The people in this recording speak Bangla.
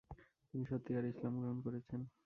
তিনি সত্যিকারে ইসলাম গ্রহণ করেছেন।